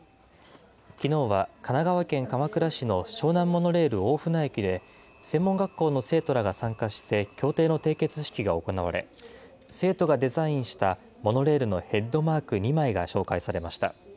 きのうは神奈川県鎌倉市の湘南モノレール大船駅で、専門学校の生徒らが参加して協定の締結式が行われ、生徒がデザインしたモノレールのヘッドマーク２枚が紹介されました。